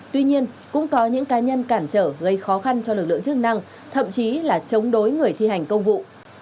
tuy nhiên cũng có những cá nhân cản trở gây khó khăn cho lực lượng chức năng thậm chí là chống đối người thi hành công vụ